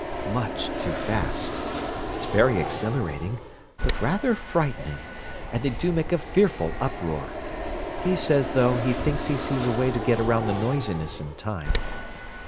"Much too fast! It's very exhilarating—but rather frightening; and they do make a fearful uproar. He says, though, he thinks he sees a way to get around the noisiness in time."